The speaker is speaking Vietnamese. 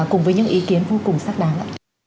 cùng với những ý kiến vô cùng xác đáng